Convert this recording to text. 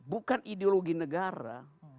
bukan ideologi negara